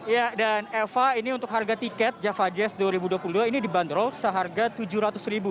ya dan eva ini untuk harga tiket java jazz dua ribu dua puluh dua ini dibanderol seharga rp tujuh ratus